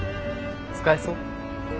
使えそう？